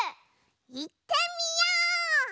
いってみよう！